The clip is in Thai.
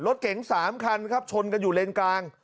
รถเก๋ง๓คันครับชนกันอยู่เลนกลาง